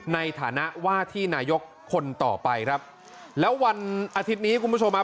ในฐานะว่าที่นายกคนต่อไปครับแล้ววันอาทิตย์นี้คุณผู้ชมฮะ